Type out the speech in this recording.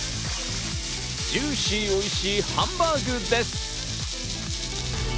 ジューシー、おいしいハンバーグです！